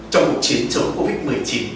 trong cuộc chiến chống covid một mươi chín